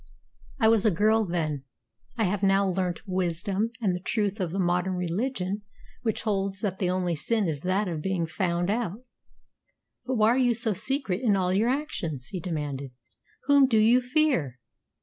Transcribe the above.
"I was a girl then. I have now learnt wisdom, and the truth of the modern religion which holds that the only sin is that of being found out." "But why are you so secret in all your actions?" he demanded. "Whom do you fear?"